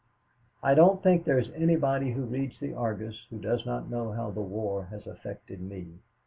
"I don't think there is anybody who reads the Argus who does not know how the war has affected me.